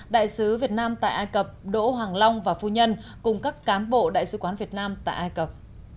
đại sứ việt nam tại ai cập đỗ hoàng long và phu nhân cùng các cán bộ đại sứ quán việt nam tại ai cập